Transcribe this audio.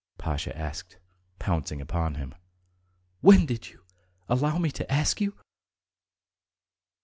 Pasha asked, pouncing upon him. "When did you, allow me to ask you?"